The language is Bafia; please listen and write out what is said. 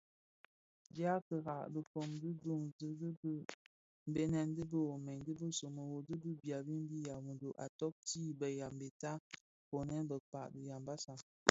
Dia kira, dhifon di duňzi di bë bènèn, dhi bë Omën, dhisōmoro dyi lè babimbi Yaoundo a nōōti (bi Yambeta, Ponèkn Bekpag dhi Yambassa).